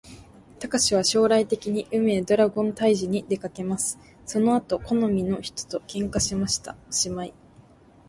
たかしは将来的に、海へドラゴン退治にでかけます。その後好みの人と喧嘩しました。おしまい